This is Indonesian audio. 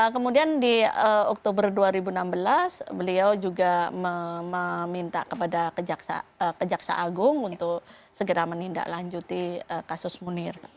kemudian di oktober dua ribu enam belas beliau juga meminta kepada kejaksaan agung untuk segera menindaklanjuti kasus munir